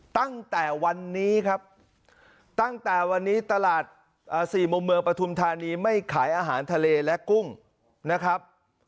ตั้งแต่วันนี้ครับตั้งแต่วันนี้ตลาด๔มุมเมืองปฐุมธานีไม่ขายอาหารทะเลและกุ้งนะครับ